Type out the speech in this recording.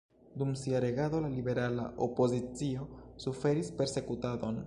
Dum sia regado la liberala opozicio suferis persekutadon.